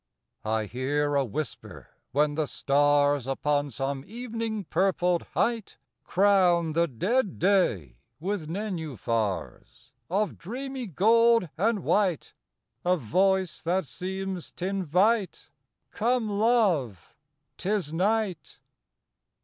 I hear a whisper, when the stars, Upon some evening purpled height, Crown the dead Day with nenuphars Of dreamy gold and white; A voice, that seems t' invite, "Come love! 'tis night!"